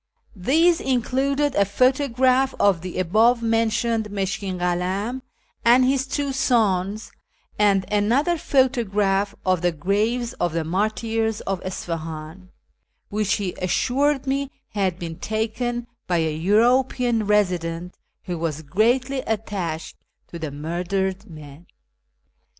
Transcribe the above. These included a photograph of the above mentioned Mushkin Kalam and his two sons, and another photograph of the graves of the " Martyrs of Isfahan," which he assured me had been taken by a European resident M'ho M'as greatly attached to the murdered men.